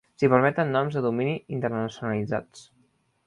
S'hi permeten noms de domini internacionalitzats.